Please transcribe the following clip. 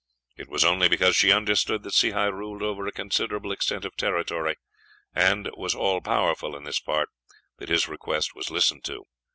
It was only because she understood that Sehi ruled over a considerable extent of territory, and was all powerful in this part, that his request was listened to.